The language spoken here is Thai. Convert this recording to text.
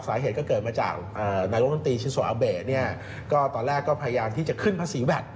สาเหตุก็เกิดมาจากนายกรมนตรีชิโซอาเบะเนี่ยก็ตอนแรกก็พยายามที่จะขึ้นภาษีแวด